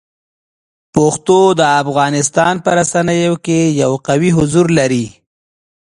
پښتو د افغانستان په رسنیو کې یو قوي حضور لري.